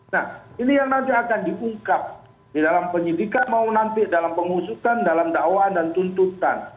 nah ini yang nanti akan diungkap di dalam penyidikan mau nanti dalam pengusutan dalam dakwaan dan tuntutan